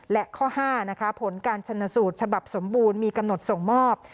และข้อ๕นะคะผลการชนสูตรฉบับสมบูรณ์มีกำหนดส่งมอบ